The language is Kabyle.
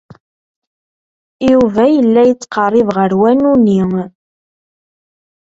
Yuba yella yettqerrib ɣer wanu-nni.